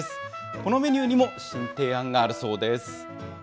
このメニューにも新提案があるそうです。